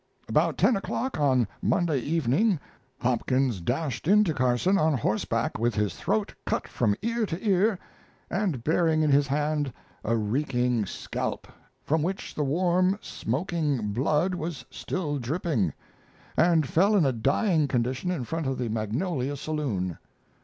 About 10 o'clock on Monday evening Hopkins dashed into Carson on horseback, with his throat cut from ear to ear, and bearing in his hand a reeking scalp, from which the warm, smoking blood was still dripping, and fell in a dying condition in front of the Magnolia saloon.